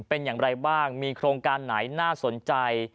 เป็นอย่างไรบ้างมีโครงการไหนน่าสนใจ